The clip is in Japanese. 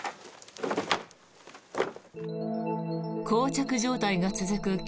こう着状態が続く